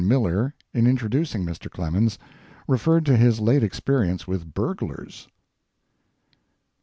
Miller, in introducing Mr. Clemens, referred to his late experience with burglars.